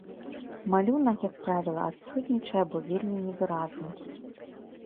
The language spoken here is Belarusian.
Малюнак, як правіла, адсутнічае або вельмі невыразных.